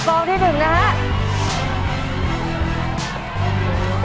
กองที่๑นะครับ